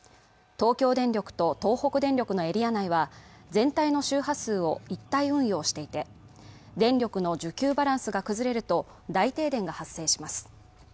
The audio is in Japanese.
東京電力と東北電力のエリア内は全体の周波数を一体運用していて電力の需給バランスが崩れると大停電が発生します